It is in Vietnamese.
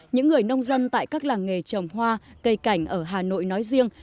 những người nông dân tại các làng nghề trồng hoa cây cảnh ở hà nội nói riêng